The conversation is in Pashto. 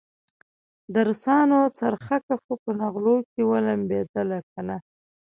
د روسانو څرخکه خو په نغلو کې ولمبېدله کنه.